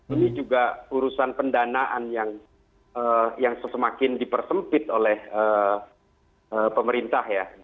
ini juga urusan pendanaan yang semakin dipersempit oleh pemerintah ya